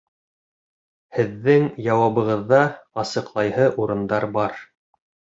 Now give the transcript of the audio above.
Һеҙҙең яуабығыҙҙа асыҡлайһы урындар бар